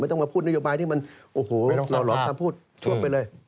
ต้องมาพูดนโยบายที่มันโอ้โหหล่อนถ้าพูดช่วงไปเลย